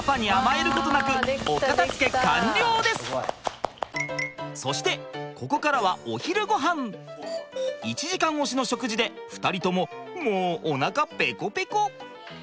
パパにそしてここからは１時間押しの食事で２人とももうおなかペコペコ。